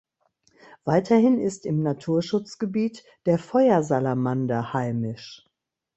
Weiterhin ist im Naturschutzgebiet der Feuersalamander heimisch.